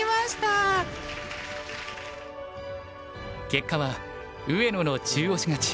結果は上野の中押し勝ち。